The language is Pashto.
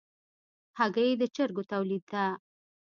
هګۍ د چرګو تولید ده.